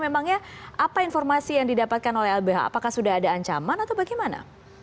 memangnya apa informasi yang didapatkan oleh lbh apakah sudah ada ancaman atau bagaimana